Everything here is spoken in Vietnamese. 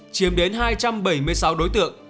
chiếm đến hai trăm bảy mươi sáu đối tượng